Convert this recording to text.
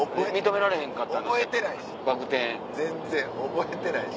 全然覚えてないし。